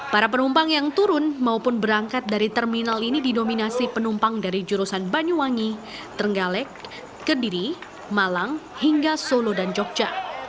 para penumpang yang turun maupun berangkat dari terminal ini didominasi penumpang dari jurusan banyuwangi trenggalek kediri malang hingga solo dan jogja